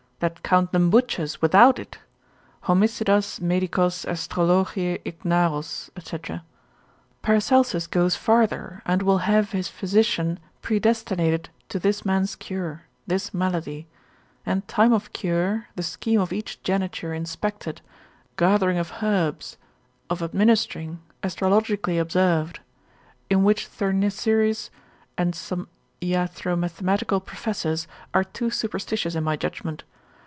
that count them butchers without it, homicidas medicos Astrologiae ignaros, &c. Paracelsus goes farther, and will have his physician predestinated to this man's cure, this malady; and time of cure, the scheme of each geniture inspected, gathering of herbs, of administering astrologically observed; in which Thurnesserus and some iatromathematical professors, are too superstitious in my judgment.